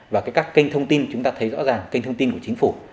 và các kênh thông tin chúng ta thấy rõ ràng kênh thông tin của chính phủ